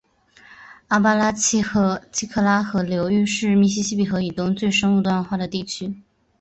阿巴拉契科拉河流域是密西西比河以东最生物多样化的地区